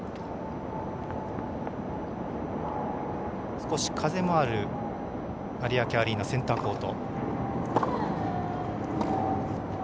少し風もある有明アリーナセンターコート。